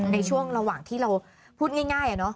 ในช่วงระหว่างที่เราพูดง่าย